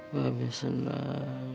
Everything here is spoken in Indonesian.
mbak be senang